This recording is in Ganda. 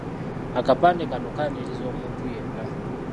Akapande kano kaaniriza omuntu yenna.